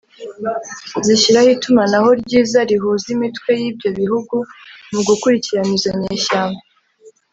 zishyiraho itumanaho ryiza rihuza imitwe y’ibyo bihugu mu gukurikirana izo nyeshyamba